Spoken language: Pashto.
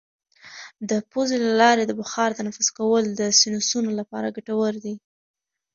د پوزې له لارې د بخار تنفس کول د سینوسونو لپاره ګټور دي.